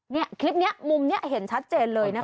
นี่คลิปนี้มุมนี้เห็นชัดเจนเลยนะคะ